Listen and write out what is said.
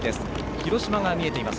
広島が見えています。